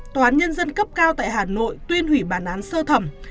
tòa án nhân dân cấp cao tại hà nội tuyên hủy bản án sơ thẩm